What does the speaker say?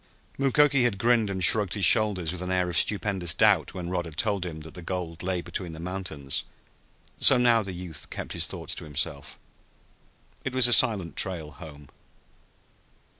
Mukoki had grinned and shrugged his shoulders with an air of stupendous doubt when Rod had told him that the gold lay between the mountains, so now the youth kept his thoughts to himself. It was a silent trail home.